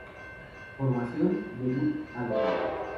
Formación, Debut Album.